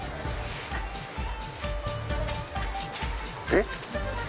えっ？